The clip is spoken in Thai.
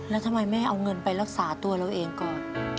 แล้วทำไมแม่เอาเงินไปรักษาตัวเราเองก่อน